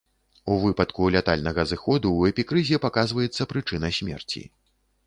У выпадку лятальнага зыходу ў эпікрызе паказваецца прычына смерці.